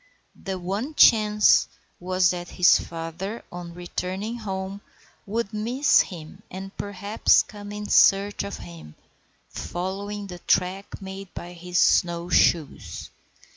The one chance was that his father, on returning home, would miss him, and perhaps come in search of him, following the track made by his snow shoes.